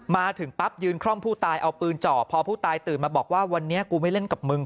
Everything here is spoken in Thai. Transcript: มาถึงปั๊บยืนคล่อมผู้ตายเอาปืนเจาะพอผู้ตายตื่นมาบอกว่าวันนี้กูไม่เล่นกับมึง